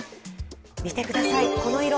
見てください、この色。